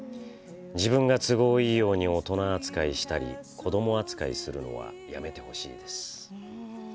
自分の都合がいいように大人扱いしたり子ども扱いするのはやめてほしいです」。